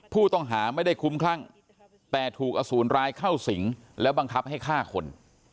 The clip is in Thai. ผู้ต้องหาไม่ได้คุ้มคลั่งแต่ถูกอสูรร้ายเข้าสิงแล้วบังคับให้ฆ่าคน